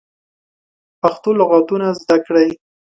پښتو لغاتونه زده کړی